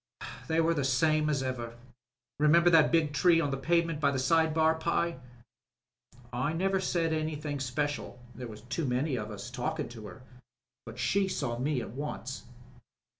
They were the same as ever. (Remember the big tree on the pavement by the side bar, Pye ?) I never said anythih' in special (there was too many of us talkin' to her), but she saw me at once."